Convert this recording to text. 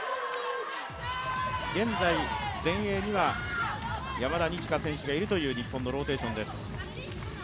現在、前衛には山田二千華選手がいる日本のローテーションです。